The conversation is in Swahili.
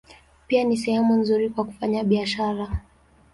Pia ni sehemu nzuri kwa kufanya biashara.